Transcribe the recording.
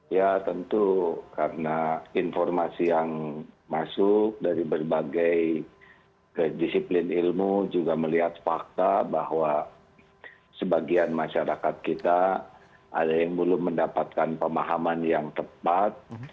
ya tentu karena informasi yang masuk dari berbagai disiplin ilmu juga melihat fakta bahwa sebagian masyarakat kita ada yang belum mendapatkan pemahaman yang tepat